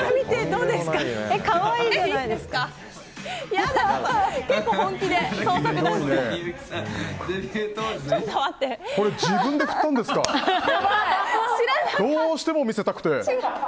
どうしても見せたくて。